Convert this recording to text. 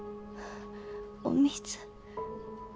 お水。